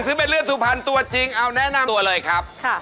ซึ่งเป็นเลือดสุพรรณตัวจริงเอาแนะนำตัวเลยครับ